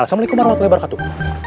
assalamualaikum warahmatullahi wabarakatuh